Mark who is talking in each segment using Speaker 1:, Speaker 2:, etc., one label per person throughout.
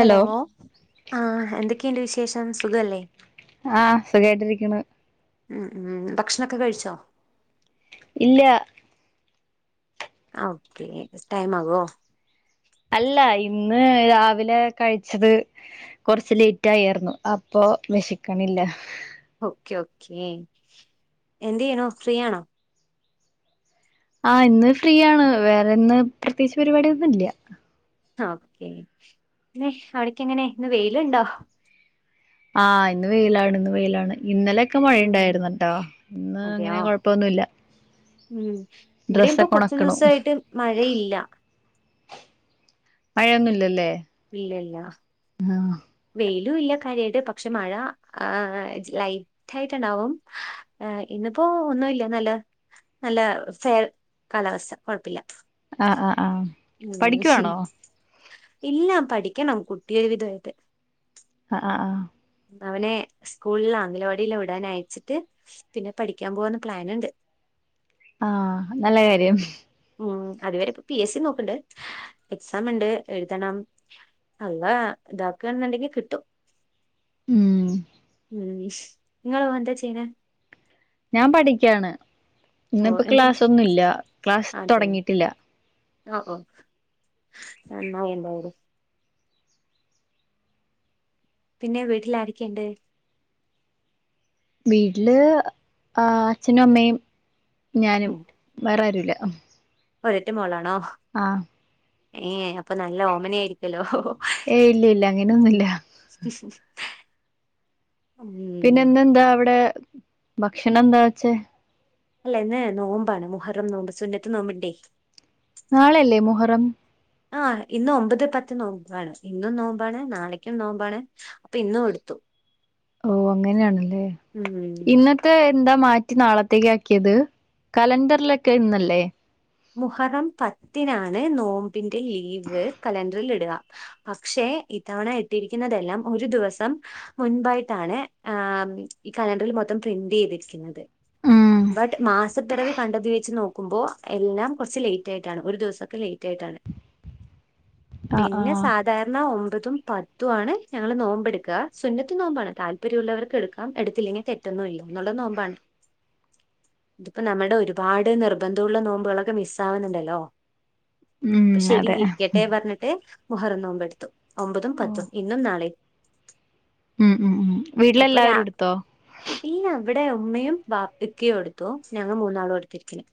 Speaker 1: Hello ആ എന്തൊക്കെന്റെ വിശേഷം സുഖല്ലേ
Speaker 2: ആ സുഖായിട്ടിരിക്ക്ണ്
Speaker 1: ഉം ഉം ഭക്ഷണൊക്കെ കഴിച്ചോ
Speaker 2: ഇല്ല
Speaker 1: ആ ഓക്കേ ടൈം ആകോ
Speaker 2: അല്ല ഇന്ന് രാവിലെ കഴിച്ചത് കൊറച്ച് ലേറ്റ് ആയാർന്നു അപ്പൊ പ്പൊ വെഷക്കണ്ല്ല
Speaker 1: ഓക്കെ ഓക്കേ എന്ത് ചെയ്യണു ഫ്രീയാണോ
Speaker 2: ആ ഇന്ന് ഫ്രീയാണ് വേറെന്ന് പ്രത്യേകിച്ച് പരിപാടിയൊന്നുല്ല
Speaker 1: ഹ ഓക്കേ ന്നെ അവിടക്കെങ്ങനെ ന്ന് വെയിലിണ്ടോ
Speaker 2: ആ ഇന്ന് വെയിലാണ് ഇന്ന് വെയിലാണ് ഇന്നലെയൊക്കെ
Speaker 1: ഉം
Speaker 2: മഴണ്ടായിര്ന്ന്ട്ടോ ന്ന് അങ്ങനെ
Speaker 1: അതെയോ
Speaker 2: കൊഴപ്പൊന്നുല്ല
Speaker 1: ഉം ഇവിടെയിപ്പൊ
Speaker 2: ഡ്രസ്സൊക്കെ
Speaker 1: കൊറച്ചു
Speaker 2: ഒണക്കണു
Speaker 1: ദിവസായിട്ട് മഴയില്ല
Speaker 2: മഴയൊന്നു ഇല്ലല്ലേ
Speaker 1: ഇല്ല ഇല്ല വെയിലും ഇല്ല കര്യാട്ട് പക്ഷെ മഴ ആ ലൈറ്റ് ആയിട്ടെണ്ടാവും അ ഇന്നിപ്പോ ഒന്നുമില്ല നല്ല നല്ല ഫെയർ കാലാവസ്ഥ കൊഴപ്പില്ല
Speaker 2: ആഹ് ആഹ് ആഹ്
Speaker 1: മ് ഹ്
Speaker 2: പഠിക്കുവാണോ
Speaker 1: ഇല്ല പഠിക്കണം കുട്ടിയൊരു വിതായിട്ട്
Speaker 2: ആ ആ
Speaker 1: അവനെ സ്കൂളിലാ ആംഗലവാടീലവ്ടാനയച്ചിട്ട് പിന്നെ പഠിക്കാൻ പോവാന്ന് പ്ലാനിണ്ട്
Speaker 2: ആ നല്ല കാര്യം
Speaker 1: ഉം അതുവരെ ഇപ്പ പി എസ് സി നോക്കണ്ട് എക്സാം ഇണ്ട് എഴുതണം അല്ല ഇതാക്കന്ന്ണ്ടെങ്കി കിട്ടും
Speaker 2: ഉം
Speaker 1: ഇങ്ങളു എന്താ ചെയ്യണേ
Speaker 2: ഞാൻ പഠിക്കാണ്
Speaker 1: ഓ
Speaker 2: ഇന്നിപ്പോ
Speaker 1: എന്ത്
Speaker 2: ക്ലാസ്സ് ഒന്നുല്ല ക്ലാസ്
Speaker 1: അതെയോ
Speaker 2: തുടങ്ങിട്ടില്ല
Speaker 1: ഓ ഓ നന്നായെന്തയാലും പിന്നെ വീട്ടില് ആരക്കെണ്ട്
Speaker 2: വീട്ടില് ആ അച്ഛനും അമ്മയും ഞാനും വേറാരു ല്ല
Speaker 1: ഒരറ്റ മോളാണോ
Speaker 2: ആ
Speaker 1: ഏ അപ്പൊ നല്ല ഓമന ആയിരിക്കല്ലോ ഒ ഹൊ ഹൊ
Speaker 2: ഏ ഇല്ല ഇല്ല അങ്ങനെന്നു ഇല്ല
Speaker 1: ഉം
Speaker 2: പിന്നെ ഇന്നെന്താ അവിടെ ഭക്ഷണം എന്താ വച്ചേ
Speaker 1: അല്ല ന്ന് നോമ്പാണ് മുഹറം നോമ്പ് സുന്നത്ത് നോമ്പിണ്ടേ
Speaker 2: നാളല്ലേ മുഹറം
Speaker 1: ആ ഇന്ന് ഒമ്പത് പത്ത് നോമ്പാണ് ഇന്നും നോമ്പാണ് നാളക്കും നോമ്പാണ് അപ്പൊ ഇന്നും എടുത്തു
Speaker 2: ഓ അങ്ങനെയാണല്ലേ
Speaker 1: ഉം
Speaker 2: ഇന്നത്തെ ന്താ മാറ്റി നാളത്തേക്ക് ആക്കിയത് കലണ്ടറിലൊക്കെ ന്നല്ലേ
Speaker 1: മുഹറം പത്തിനാണ് നോമ്പിന്റെ ലീവ് കലണ്ടറിൽ ഇടുക പക്ഷെ ഇത്തവണ ഇട്ടരിക്കുന്നതെല്ലാം ഒരു ദിവസം മുൻപായിട്ടാണ് ആ ഈ കലണ്ടറി മൊത്തം പ്രിന്റ് ചെയ്തിരിക്കുന്നത്
Speaker 2: ഉം
Speaker 1: ബട്ട് മാസപ്പിറവി കണ്ടത് വെച്ച് നോക്കുമ്പോ എല്ലാം കുറച്ച് ലേറ്റ് ആയിട്ടാണ് ഒരു ദിവസൊക്കെ ലേറ്റ് ആയിട്ടാണ്
Speaker 2: ആഹ്
Speaker 1: പിന്നെ
Speaker 2: ആഹ്
Speaker 1: സാധാരണ ഒമ്പതും പ ത്തു ആണ് ഞങ്ങള് നോമ്പെടുക്ക സുന്നത്ത് നോമ്പാണ് താല്പര്യമുള്ളവർക്ക് എടുക്കാം എടുത്തില്ലെങ്കിൽ തെറ്റൊന്നുല്ല ന്നുള്ള നോമ്പാണ് ഇപ്പോ നമ്മുടെ ഒരുപാട് നിർബന്ധുള്ള നോമ് ക്കെ മിസ് ആവുന്നുണ്ടല്ലോ
Speaker 2: ഉം
Speaker 1: അപ്പൊ ശെരി
Speaker 2: അതെ
Speaker 1: ഇരിക്കട്ടെ പറഞ്ഞിട്ട് മുഹറ നോമ്പെടുത്തു ഒമ്പതും
Speaker 2: ഉം
Speaker 1: പത്തും ഇന്നും നാളെ
Speaker 2: ഉം ഉം
Speaker 1: അപ്പൊ രാ
Speaker 2: വീട്ടിലെല്ലാവരും എടുത്തോ
Speaker 1: ഇല്ല ഇവിടെ എടെ ഉമ്മയും ബിക്കയും എടുത്തു ഞങ്ങൾ മൂന്നാളും കൊടുത്തിരിക്കുന്നു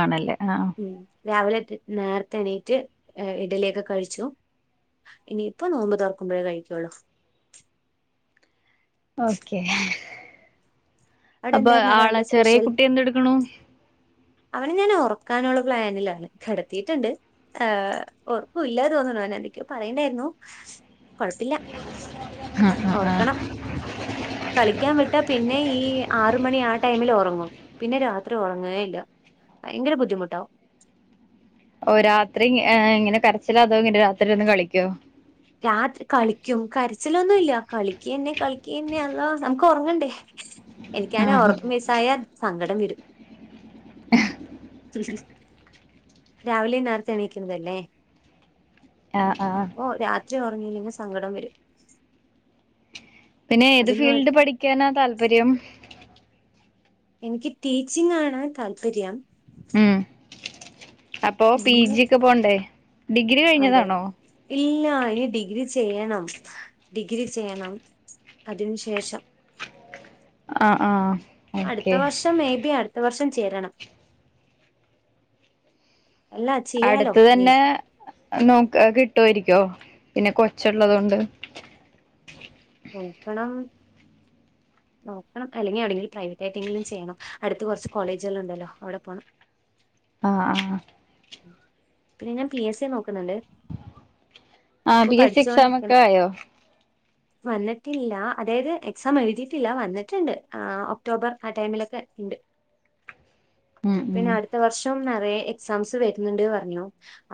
Speaker 2: ആണല്ലേ ആഹ
Speaker 1: രാവിലെ നേരത്തെണീറ്റ് ഇടലേക്കെ കഴിച്ചു ഇനിയിപ്പൊ നോമ്പ് തർക്കുമ്പോഴേ കഴിക്കുവുള്ളോ
Speaker 2: ഓക്കെ
Speaker 1: അവിടെ
Speaker 2: അപ്പൊ
Speaker 1: എന്തായിരുന്നു
Speaker 2: ആളെ
Speaker 1: രാവിലെ
Speaker 2: ചെറിയ
Speaker 1: സ്പെഷ്യൽ
Speaker 2: കുട്ടി എന്തെടുക്കണു
Speaker 1: അവനെ ഞൻ ഉറക്കാനുള്ള പ്ലാനിലാണ് കിടത്തിയിട്ടുണ്ട് ഏ് ഉറപ്പല്ലാ തോന്നണ അവന എന്തൊക്കെയോ പറയണ്ടായിരുന്നു കൊഴപ്പില്ല
Speaker 2: ആഹ് ആഹ് ആഹ്
Speaker 1: ഓർക്കണം കളിക്കാൻ വിട്ടാ പിന്നെ ഈ ആറ മണി ആ ടൈമിൽ ഉറങ്ങും പിന്നെ രാത് അത്ര ഉറങ്ങുക ഇല്ല ഭയങ്കര ബുദ്ധിമുട്ടാവ
Speaker 2: ഓ രാത്രി ഇങ്ങനെ കരച്ചിലാതോ ഇങ്ങിെ രാത്രി ഒന്ന്ും കളിക്കോ
Speaker 1: അസിലൊന്നും ഇല്ല കളിക്ക തന്നെ കളിക്ക തന്നെ അല്ലാഹ് നമുക്ക് ഉറങ്ങണ്ടേ എനിക്കാണ്
Speaker 2: ആഹ്
Speaker 1: ഓറക്കം മിസ്സായ സങ്കടം വരും രാവിലെ നേരത്തെ എണീക്കുന്നതല്ലേ
Speaker 2: ആഹ ആഹ്
Speaker 1: ഒറ്റ ഉറഞ്ഞല്ലെങ്കിൽ സങ്കടം വരും
Speaker 2: പിന്നെ ഏത്
Speaker 1: അതിന്
Speaker 2: ഫീൽഡ് പഠിക്കാനാ താല്പര്യം
Speaker 1: എനിക്ക് ടീച്ചിങ് ആണ് താല്പര്യം
Speaker 2: അപ്പൊ പി
Speaker 1: പിന്നെ
Speaker 2: ജിക്ക് പോണ്ടേ ഡിഗ്രി
Speaker 1: അതെ
Speaker 2: കഴിഞ്ഞതാണോ?
Speaker 1: ഇല്ല ഇനി ഡിഗ്രി ചെയ്യണം ഡിഗ്രി ചെയ്യണം അതിനന് ശേഷം
Speaker 2: ആഹ് ആഹ്
Speaker 1: അടുത്ത
Speaker 2: ഓക്കെ
Speaker 1: വർഷം മേബി അടുത്ത ഇത്ത വർഷം ചേരണം അല്ല ചെയ്യാലോ
Speaker 2: അടുത്ത
Speaker 1: നീ
Speaker 2: തന്നെ നോക്ക് കിട്ടുമായിരിക്കും ോ പിന്നെ കൊച്ചുള്ളത കൊണ്ട്
Speaker 1: നോക്കണം നോക്കണം അല്ലെങ്കിൽ എവിടെെങ്കിലും പ്രൈവറ്റ് ആയിട്ടെങ്കിലും ചെയ്യണം അടുത്ത കുറച്ച് കോളേജുകൾുണ്ടല്ലോ അവിടെ പോകണം [unintelligible]
Speaker 2: ആഹ ആഹ്
Speaker 1: പിന്നെ ഞാൻ പി എസ് എ നോക്ക
Speaker 2: ആഹ ബി എസ് സി എക്സമ ഒക്കെ
Speaker 1: പഠിച്ചുകൊണ്ടിരിക്കണം
Speaker 2: ആയോ
Speaker 1: വന്നിട്ടില്ല അതായത് എക്സാം എഴുതി ില്ല വന്നിട്ടുണ്ട് ഒക്ടോബർ ആ ടൈമിലൊക്കെ ഉണ്ട്
Speaker 2: ഉം ഉം
Speaker 1: പിന്നെ അടുത്ത വർഷം നിറയ എക്സാംസ് വരുന്നുണ്ട് പറഞ്ഞു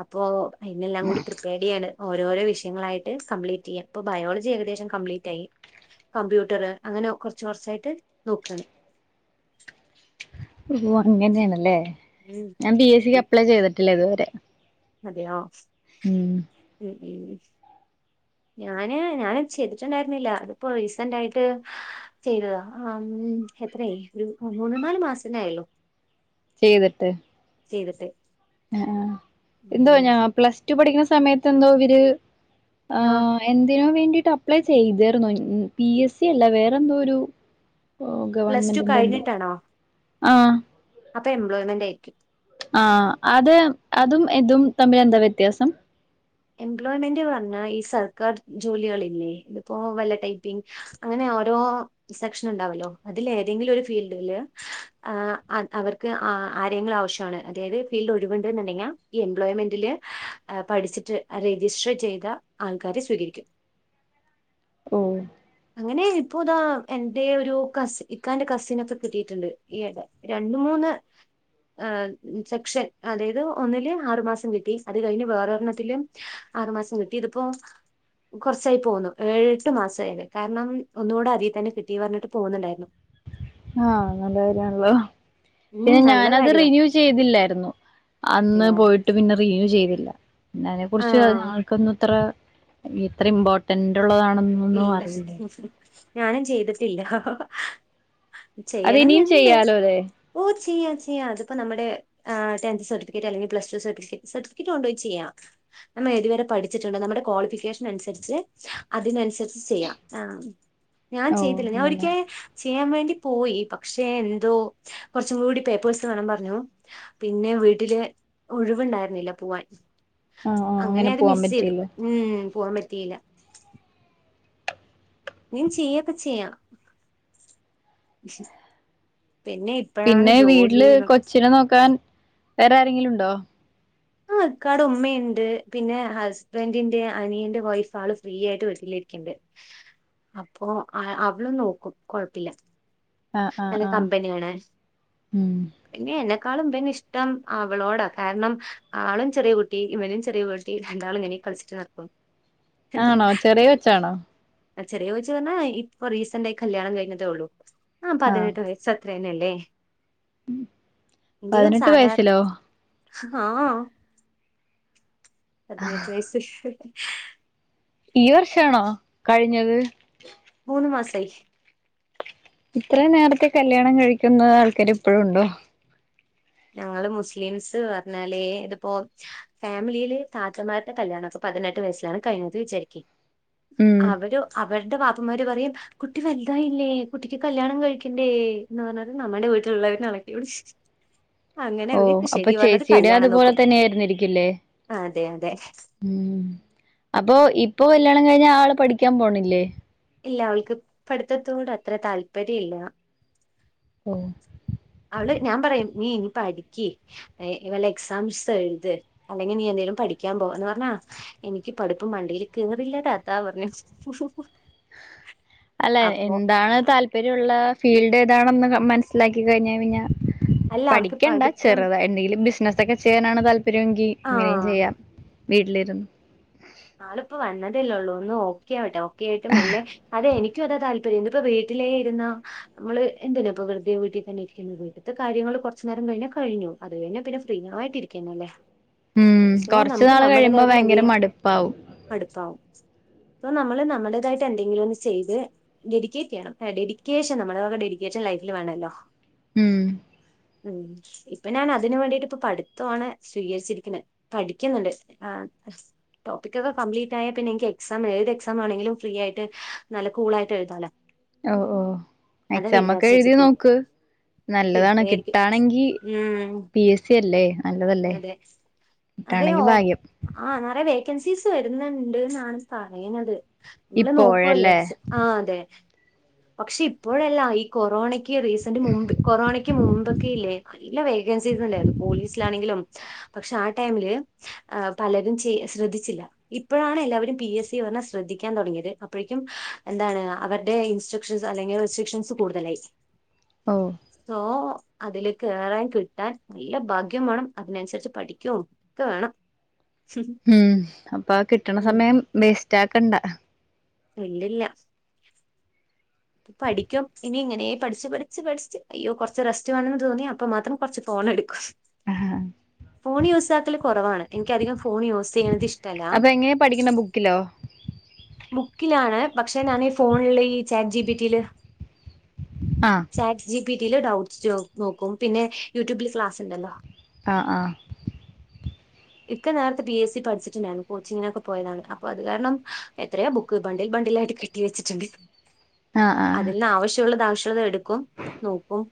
Speaker 1: അപ്പൊ അയിെല്ലാം കൂടി തൃപ്പേഡിയാണ് ഓരോരോ വിഷയങ്ങളായിട്ട് കംപ്ലീറ്റ് ചെയ്യാം ഇപ്പൊ ബയോളജി ഏകദേശം കംപ്ലീറ്റ് ആയി കമ്പ്യൂട്ടർ അങ്ങനെ കൊറച്ച കുറച്ചായിട്ട് നോക്കാണ്
Speaker 2: ഓ അങ്ങനെയാണല്ലേ
Speaker 1: ഉം
Speaker 2: ഞാൻ ബി എസ് സിക്ക്
Speaker 1: ഉം.
Speaker 2: അപ്ലൈ ചെയ്തിട്ടില്ലേ ഇതുവരെ
Speaker 1: അതെയോ
Speaker 2: ഉം
Speaker 1: ഉ ഉം ഞാന് ഞാന് ചെയ്തിട്ടുണ്ടായിരുന്നില്ല അതിപ്പോ റീസന്റ് ആായിട്ട് ചെയ്തതാ ഉം എത്രയ ഒരു മൂന്നു നാാലു മാസന ആയല്ലോ
Speaker 2: ചെയ്തിട്ട്
Speaker 1: ചെയ്തട്ടെ
Speaker 2: ആഹ എന്തോ ഞാ പ്ലസ് ടു പഠിക്കുന്ന സമയത്ത് എന്തോ ഇവര് ആ എന്തിനോ വേണ്ടിട്ട് അപ്ലൈ ചെയ്തരുന്നു പി എസ് സി അല്ല വേറെന്തോ ഒരു ഓ
Speaker 1: പ്ലസ് ടു
Speaker 2: ഗവൺമെന്റിന്റെ എന്തോ ആഹ
Speaker 1: അപ്പ എംപ്ലോയയ്മെന്റ് ആയിരിക്കും
Speaker 2: ആ അത് അതും ഇതും തമ്മിൽ എന്താ വ്യത്യാസം
Speaker 1: എംപ്ലോയ്മെന്റ് പറഞ്ഞ ഈ സർക്കാർ ജോലികളല്ലേ ഇതിപ്പോ വല്ല ടൈപ്പിംഗ അങ്ങന ഓരോ സെക്ഷൻ ഉണ്ടവു ല്ലോ അതിൽ എ തെങ്കിലും ഒരു ഫീൽഡില് അവർക്ക് ആ ആര്യങ്ങൾ ആവശ്യമാണ് അതായത് ഫീൽഡ് ഒഴിവുണ്ടന്നുണ്ടെങ്കിൽ ഈ എംപ്ലോയ്മെന്റില് പഠിച്ചിട്ട് രജിസ്റ്റർ ചെയ്ത ആൾക്കാരെ സ്വീകരിക്കും
Speaker 2: ഓ
Speaker 1: അങ്ങനെ ഇപ്പൊ ഇതാ എന്റെ ഒരു കസി ഇക്കാ എന്റെ കസിന ഒക്കെ കിട്ടിയിട്ടുണ്ട് ഈ രണ്ട മൂന്ന് ന്ന്‌ ഹ സെക്ഷൻ അതായത് ഒന്നില് ആറു മാസം കിട്ടി അത് കഴിഞ്ഞ് വേറെരെണ്ണത്തിലും ആറ് മാസം കിട്ടി ഇതിപ്പോ കുറച്ചായി പോകന്നു ഏഴെട്ട് മാസ ആത് കാരണം ഒന്നുകൂടെ ആദ്യ തന്നെ കിട്ടി പറഞ്ഞിട്ട് പോകുന്നുണ്ടായിരുന്നു
Speaker 2: ആനല്ല കാര്യമാണല്ലോ
Speaker 1: ഉം
Speaker 2: പിന്നെ
Speaker 1: നല്ല
Speaker 2: ഞാനത്
Speaker 1: കാര്യമാ
Speaker 2: റിവ്യൂ ചെയ്തില്ലായിരുന്നു അന്ന്
Speaker 1: അതെയോ
Speaker 2: പോയിട്ട് പിന്നെ റിന്യൂ ചെയ്തി ല്ല പിന്ന അതിനെ
Speaker 1: ആ
Speaker 2: കുറിച്ച് ഞങ്ങക്കൊന്നും ഇത്ര ഇത്ര ഇമ്പോർട്ടന്റ് ഉള്ളതാണ്
Speaker 1: ഇല്ല ഞാനും ചെയ്തിട്ടില്ല
Speaker 2: അത് ഇനിയും
Speaker 1: ചെയ്യണംഎന്നു ണ്ട്
Speaker 2: ചെയ്യാലോ അല്ലെ
Speaker 1: ഓ ചെയ്യാ ചെയ്യാ അതിപ്പോ നമ്മുടെ ആ ടെൻത് സർട്ടിഫിക്കറ്റ് അല്ലെങ്കി പ്ലസ്ടു സർട്ടിഫിക്കറ്റ് സർട്ടിഫിക്കറ്റ് കൊണ്ടോയി ചെയ്യാം നമ്മൾഎ തുവരെ പഠിച്ചട്ടുണ്ട നമ്മുടെ ക്വാളിഫിക്കേഷൻ അനുസരിച്ച് അതിനനുസരി ചെയ്യാം ഞാൻ
Speaker 2: ഓ
Speaker 1: ചെയ്തില്ല ഞാൻ ഒരിക്ക
Speaker 2: അങ്ങനെ
Speaker 1: ചെയ്യാൻ വേണ്ടി പോയി പക്ഷെ എന്തോ കുറച്ചും കൂടി പേപ്പേഴ്സ് വേണം പറഞ്ഞു പിന്നെ വീട്ടില് ഒഴിവുണ്ടായിരുന്നില്ല പോവാൻ
Speaker 2: ആഹ് ആഹ്
Speaker 1: അങ്ങനെ അത്
Speaker 2: പോവാൻ
Speaker 1: മിസ് ചെയ്തു
Speaker 2: പറ്റിയില്ല
Speaker 1: ഉം പോവൻ പറ്റി ല്ല നീൻ ചെയ്യക്കെ ചെയ്യാ
Speaker 2: പിന്നെ വീട്ടില് കൊച്ചിനെ നോക്കാൻ വേറെ ആരെങ്കിലും ഉണ്ടോ
Speaker 1: ആ ഇ ക്കാടെ ഉമ്മയുണ്ട് പിന്നെ ഹസ്ബൻറിന്റെ അനിയന്റെ വൈഫ് ആള് ഫ്രീ ആയിട്ട് വരല്ലേ ണ്ട് അപ്പൊ അവളും നോക്കും കൊഴപ്പില്ല
Speaker 2: ആഹ് ആഹ്
Speaker 1: നല്ല
Speaker 2: ആഹ്
Speaker 1: കമ്പനിയാണ്
Speaker 2: ഉം
Speaker 1: പിന്നെ ക്കാളും പിന്നെ ഇഷ്ടം അവളോടാ കാരണം ആളും ചെറിയ കുട്ടി ഇവനും ചെറിയ കുട്ടി രണ്ടാളും ഇങ്ങനെ കളിച്ചിട്ടു നട ക്കും
Speaker 2: ആണോ ചെറിയ കൊച്ചാ ച്ചാണോ
Speaker 1: ചെറിയ ചദിച്ചു പറഞ്ഞാൽ ഇപ്പൊ റീസന്റായി കല്യാണം കഴിഞ്ഞട്ടേ ഉള്ളൂ ആ
Speaker 2: ആഹ്
Speaker 1: പതിനെട്ട് വയ അത്രേനല്ലേ
Speaker 2: പതിനെട്ട്
Speaker 1: സാധാരണ
Speaker 2: വയസിലോ
Speaker 1: ആ പതിനെട്ട് വയസ്സ്
Speaker 2: ഈ വർഷാണോ കഴിഞ്ഞത്
Speaker 1: മൂ ന്ന്മാസായി
Speaker 2: അത്ര നേരത്തെ കല്യാണം കഴിക്കുന്ന ആൾക്കാര് ഇപ്പോഴും ണ്ടോ
Speaker 1: ഞങ്ങള് മുസ്ലിംസ് പറഞ്ഞാല് ഇതിപ്പോ ഫാമിലിയില് താറ്റമാരുടെ കല്യാണോ ക്കെ പറ പതിനെട്ട് വയസ്സിലാണ് കഴിഞ്ഞ വിചാരിക്ക്
Speaker 2: ഉം
Speaker 1: അവരു അവരുടെ വാ പ്പമാര് പറയും കുട്ടി വലുതായില്ലേ കുട്ടിക്ക് കല്ല്യാണം കഴിക്കണ്ടേ എന്ന് പറഞ്ഞൽ നമ്മുടെ വീട്ട ൾയിനെ അടക്കി പിടിച് [unintelligible] അങ്ങനെ
Speaker 2: ഓ
Speaker 1: അവര്
Speaker 2: അപ്പൊ
Speaker 1: ശരി പറഞ്ഞത്
Speaker 2: ചേച്ചിയുടെ
Speaker 1: കല്യാണം
Speaker 2: അതുപോലെ
Speaker 1: നോക്കും
Speaker 2: തന്നെ ആയിരുന്നിരിക്കില്ലേ
Speaker 1: അതെ അതെ
Speaker 2: ഉം അപ്പൊ ഇപ്പൊ കല്യാണം കഴിഞ്ഞ ആള് പഠിക്കാൻ പോണില്ലേ
Speaker 1: ഇല്ല അവൾക്ക് പഠിത്തത്തോട് അത്ര താല്പര്യ ഇല്ല
Speaker 2: ഓ
Speaker 1: അവള് ഞാൻ പറയും നീ ഇനി പഠിക്കി വല്ല എക്സാംസ് എഴുത് അല്ലെങ്കിൽ നീ എ പഠിക്കാൻ പോന്ന് പറഞ്ഞാ എനിക്ക് പഠിപ്പ് മണ്ടില് കേറില്ലതാത്ത പറഞ്ഞ്
Speaker 2: അല്ല എന്താണ് താല്പര്യമുള്ള ഫീൽഡ് ഏതാണെന്ന് മനസ്സിലാക്കി കഴിഞ്ഞ പിന്നെ
Speaker 1: അല്ല അവൾക്ക്
Speaker 2: പഠിക്കണ്ട
Speaker 1: പഠിത്തം
Speaker 2: ചെറുതായെന്തെങ്കിലും ബിസിനസ്സൊക്കെ ചെയ്യാനാണ് താല്പര്യ രുങ്കി അങ്ങനെയും
Speaker 1: ആഹ്
Speaker 2: ചെയ്യാം വീട്ടിലിരുന്ന്
Speaker 1: ആളിപ്പോ വന്നതല്ലേയുള്ളൂ ഒന്ന് ഓക്കെ ആവട്ടെ ഓക്കെ ആയിട്ട് മെല്ലെ അതെ എനിക്കും അതാ താല്പര്യം ഇതിപ്പോ വീട്ട് വീട്ടിലേയിരുന്ന നമ്മള് എന്തിനാണി പ്പോ വെറുതെ വീട്ടിൽ തന്നെ ഇരിക്കുന്നത് വീട്ടിത്തെ കാര്യങ്ങള് കുറച്ചു നേരം കഴിഞ്ഞാൽ കഴിഞ്ഞു അത് കഴിഞ്ഞപിന്നെ ഫ്രീയായിട്ട് ഇരിക്കാനല്ലേ
Speaker 2: ഉം
Speaker 1: സോ
Speaker 2: കൊറച്ചു
Speaker 1: നമുക്ക്
Speaker 2: നാള് കഴിയുമ്പോ
Speaker 1: നമ്മുടേതായിട്ടുള്ള
Speaker 2: ഭയങ്കര
Speaker 1: എന്തെലും
Speaker 2: മടുപ്പാവും
Speaker 1: അടുപ്പാവും ഇപ്പൊ നമ്മള് നമ്മടേതായിട്ട് എന്തെങ്കിലും ഒന്ന് ചെയ്ത് ഡെഡിക്കേറ്റ് ചെയ്യണം ഡെഡിക്കേഷൻ നമ്മുടെവക ഡെഡിക്കേഷൻ വേണല്ലോ [unintelligible]
Speaker 2: മം
Speaker 1: ഉം ഇപ്പൊ ഞാൻ അതിന് വേണ്ടിട്ട് ഇപ്പോ പഠിത്തമാണ് സ്വീകരിച്ചിരിക്ക്ണ് പഠിക്കുന്നുണ്ട് ആ [unintelligible] ടോപ്പിക്കോക്കെ കംപ്ലിറ്റ് ആയ പിന്നെ എനിക്ക് എക്സാം ഏത് എക്സാം ആണെങ്കിലും ഫ്രീ ആയിട്ട് നല്ല കൂളാ യിട്ട് എഴുതാലോ
Speaker 2: ഓ ഓ
Speaker 1: അതാ
Speaker 2: എക്സാം ഒക്കെ
Speaker 1: വിചാരിച്ച്
Speaker 2: എഴുതി
Speaker 1: വെച്ചിരിക്കുന്നു
Speaker 2: നോക്ക് നല്ലതാണ്
Speaker 1: കിട്ടുവായിരിക്കും
Speaker 2: കിട്ടാണെങ്കി
Speaker 1: ഉം
Speaker 2: പി എസ് സി അല്ലേ നല്ലതല്ലേ
Speaker 1: അതെയോ
Speaker 2: കിട്ടാണെങ്കി ഭാഗ്യം
Speaker 1: ആ നിറയെ വേക്കൻ വെക്കൻസിസ് വരുന്നുണ്ട്ന്നാണ് പറയു ന്നത് നമ്മള് നോക്കല്ലോ
Speaker 2: ഇപ്പോഴല്ലേ
Speaker 1: ആ അതെ പക്ഷെ ഇപ്പോഴല്ല ഈ കൊറോണക്ക് റീസന്റ്മുമ്പ് കൊറോണയ്ക്ക് മുമ്പൊക്കെ ഇല്ലേ നല്ല വേക്കൻസീസ് ഉണ്ടായിരുന്നു പോലീസിലാണെങ്കിലും പക്ഷെ ആ ടൈമില് പലരും ശ്രദ്ധിച്ചില്ല ഇപ്പോഴാണ് എല്ലാവരും പി എസ് സി പറഞ് ശ്രദ്ധിക്കാൻ തുടങ്ങിയത് അപ്പോഴേക്കും എന്താണ് അവരുടെ [unintelligible] അല്ലെങ്കിൽ റെസ്ട്രിക്ഷൻസ് കൂടുതലായി
Speaker 2: ഓ
Speaker 1: സോ അതിലേക്ക് കേറാൻ കിട്ടാൻ നല്ല ഭാഗ്യം വേണം അതിനനുസരിച്ച് പഠിക്കും ഒക്കെ വേണം [inaudible]
Speaker 2: ഉം അപ്പൊ ആ കിട്ടണ
Speaker 1: ഉം
Speaker 2: സമയം വേസ്റ്റ് ആക്കണ്ട
Speaker 1: ഇല്ലില്ല പഠിക്കും ഇനി ഇങ്ങനെ പഠിച്ച് പഠിച്ച് പഠിച്ച് അയ്യോ കുറച്ച് റസ്റ്റ് വേണന്ന് തോന്നിയാ അപ്പ മാത്രം കൊറച്ച് ഫോണെടുക്കും
Speaker 2: ആഹ്
Speaker 1: ഫോൺ യൂസാക്കല് കുറവാണ് എനിക്ക് അധികം ഫോൺ യൂസ് ചെയ്യണത് ഇഷ്ടല്ല
Speaker 2: അപ്പൊ എങ്ങനെയാ പഠിക്കണ ബുക്കിലോ
Speaker 1: ബുക്കിലാണ് പക്ഷെ ഞാനീ ഫോണില് ഈ ചാറ്റ് ജിപിടിയില്
Speaker 2: ആഹ്
Speaker 1: ചാറ്റ് ജിപി റ്റിയിൽ ഡൗട്ട്സ് നോക്കും പിന്നെ യൂട്യൂബില് ക്ലാസ്സ്ണ്ടല്ലോ
Speaker 2: ആ ആ
Speaker 1: ഇക്ക നേരത്തെ പി എസ് സി പഠിച്ചിട്ടുണ്ടായിരുന്നു കോച്ചിങ്ങിനൊക്കെ പോയതാണ് അപ്പൊ അത് കാരണം എത്രയോ ബുക്ക് [unintelligible] പണ്ടിലായിട്ട് കെട്ടി വെച്ചിട്ടുണ്ട്
Speaker 2: ആഹ് ആഹ്
Speaker 1: അതിൽ നിന്ന് ആവശ്യള്ളത്ആവശ്യള്ളത് എടുക്കും നോക്കും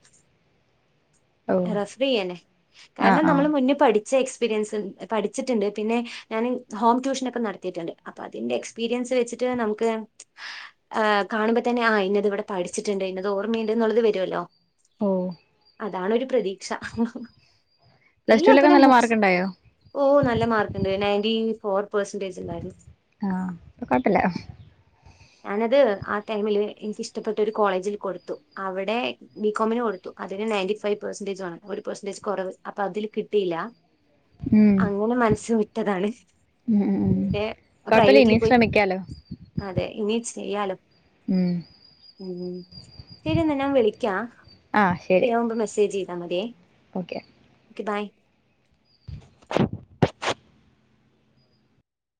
Speaker 2: ഓ
Speaker 1: റഫർ ചെയ്യാനെ
Speaker 2: ആഹ്
Speaker 1: കാരണം
Speaker 2: ആഹ്
Speaker 1: നമ്മള് മുന്നേ പഠിച്ച എക്സ്പീരിയൻസ് പഠിച്ചിട്ടുണ്ട് പിന്നെ ഞാൻ ഹോം ട്യൂഷൻ ഒക്കെ നടത്തിയിട്ടുണ്ട് അപ്പൊ അതിന്റെ എക്സ്പീരിയൻസ് വെച്ചിട്ട് നമുക്ക് ഹ് കാണുമ്പോ തന്നെ ആ ഇന്നത് ഇവിടെ പഠിച്ചിട്ടുണ്ട് ഇന്നത് ഓർമ്മയുണ്ട് എന്നുള്ളത് വരുവല്ലോ
Speaker 2: ഓ
Speaker 1: അതാണൊരു പ്രതീക്ഷ
Speaker 2: പ്ലസ് ടുവിലൊക്കെ നല്ല മാർക്ക് ഉണ്ടായോ
Speaker 1: ഒ നല്ല മാർക്ക്ണ്ട് നയന്റി ഫോർ പെർസെന്റേജ് ഉണ്ടായിരുന്നു
Speaker 2: ആ അപ്പൊ കൊഴപ്പല്ല
Speaker 1: ഞാനത് ആ ടൈമില് എനിക്കിഷ്ടപ്പെട്ട ഒരു കോളേജിൽ കൊടുത്തു അവിടെ ബി കോമിന് കൊടുത്തു അതിന് നയന്റി ഫൈവ് പെർസെൻടേജ് വേണം ഒരു പെർസന്റേജ് കുറവ് അപ്പൊ അതില് കിട്ടിയില്ല
Speaker 2: ഉം
Speaker 1: അങ്ങനെ മനസ്സ് വിട്ടതാണ്
Speaker 2: ഉം ഉം ഉം കൊഴപ്പല്ല
Speaker 1: പ്രൈവറ്റിൽ
Speaker 2: ഇനി
Speaker 1: പോയി
Speaker 2: ശ്രമിക്കാലോ
Speaker 1: അതെ ഇനി ചെയ്യാലോ
Speaker 2: ഉം
Speaker 1: ഉ ശരിയാ ന്ന ഞാൻ വിളിക്കാം
Speaker 2: ആഹ് ശരി
Speaker 1: ഫയാവുമ്പ് മെസ്സേജ് ചെയ്താ മതിയേ
Speaker 2: ഓക്കെ
Speaker 1: തായ